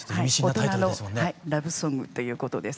大人のラブソングということです。